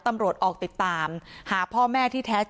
ออกติดตามหาพ่อแม่ที่แท้จริง